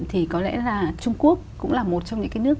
thì có lẽ là trung quốc cũng là một trong những cái nước